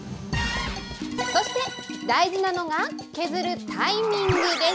そして、大事なのが、削るタイミングです。